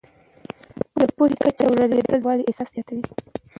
د پوهې کچه لوړېدل د یووالي احساس زیاتوي.